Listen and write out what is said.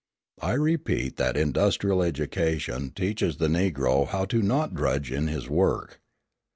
I repeat that industrial education teaches the Negro how not to drudge in his work.